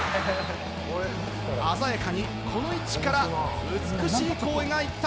鮮やかにこの位置から美しい弧を描いた！